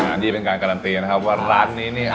อันนี้เป็นการการันตีนะครับว่าร้านนี้เนี่ย